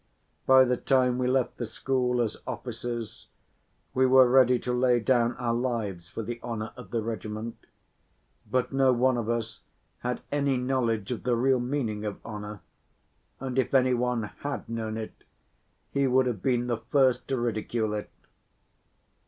By the time we left the school as officers, we were ready to lay down our lives for the honor of the regiment, but no one of us had any knowledge of the real meaning of honor, and if any one had known it, he would have been the first to ridicule it.